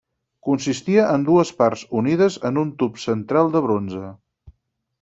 Consistia en dues parts unides en un tub central de bronze.